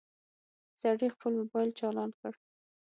سړي خپل موبايل چالان کړ.